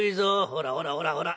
「ほらほらほらほら。